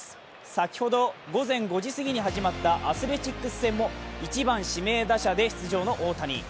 先ほど、午前５時過ぎに始まったアスレチックス戦も１番・指名打者で出場の大谷。